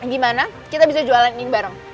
gimana kita bisa jualan ini bareng